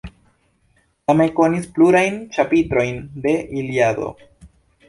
Same konis plurajn ĉapitrojn de Iliado.